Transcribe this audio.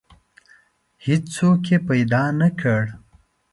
هیڅوک یې پیدا نه کړ.